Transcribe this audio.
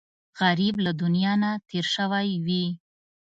غریب له دنیا نه تېر شوی وي